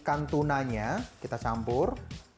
ikan tunanya kita campur